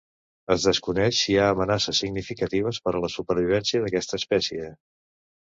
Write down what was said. Es desconeix si hi ha amenaces significatives per a la supervivència d'aquesta espècie.